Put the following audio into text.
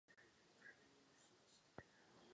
I žena měla podle Zákoníku vysoké společenské postavení.